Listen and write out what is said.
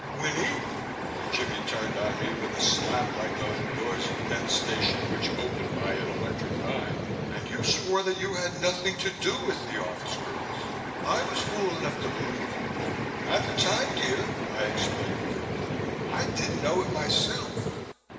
"Winnie," Jimmie turned on me with a snap like those doors in Penn Station which open by an electric eye, "and you swore that you had nothing to do with the office girls. I was fool enough to believe you." "At the time, dear," I explained guiltily, "I didn't know it myself."